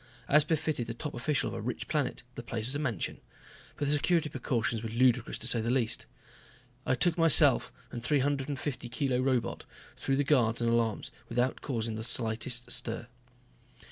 As befitted the top official of a rich planet, the place was a mansion. But the security precautions were ludicrous to say the least. I took myself and a three hundred fifty kilo robot through the guards and alarms without causing the slightest stir.